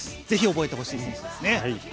是非、覚えてほしい選手ですね。